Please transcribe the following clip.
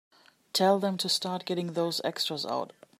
Tell them to start getting those extras out.